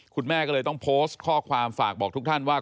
คุณแม่ก็เลยต้องโพสต์ข้อความฝากบอกทุกท่านว่า